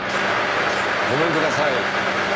ごめんください。